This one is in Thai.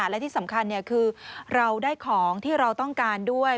และที่สำคัญคือเราได้ของที่เราต้องการด้วย